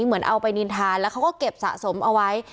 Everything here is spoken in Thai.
เหมือนเอาไปนินทานแล้วเขาก็เก็บสะสมเอาไว้